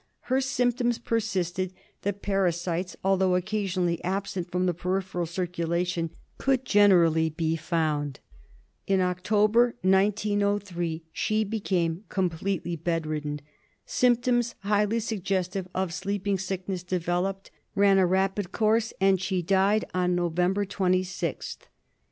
Her symptoms persisted; the parasites, although occasionally absent from the peripheral circulation, could generally be found. In October, 1903, she became completely bed ridden. Symptoms highly suggestive of Sleeping Sickness de veloped, ran a rapid course, and she died on November 26th.